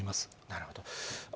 なるほど。